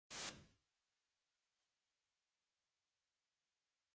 It used to air every Monday at night.